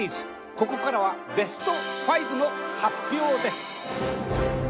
ここからはベスト５の発表です！